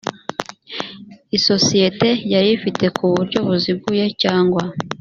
isosiyete yari ifite ku buryo buziguye cyangwa